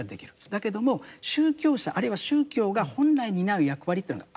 だけども宗教者あるいは宗教が本来担う役割というのがあるんだと。